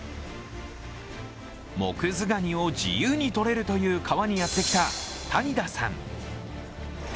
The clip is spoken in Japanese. モクズガニを自由にとれるという川にやってきた谷田さん。